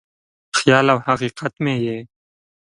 خیال او حقیقت مې یې